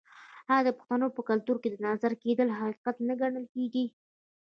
آیا د پښتنو په کلتور کې د نظر کیدل حقیقت نه ګڼل کیږي؟